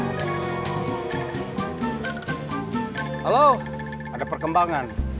masa untuk kekembang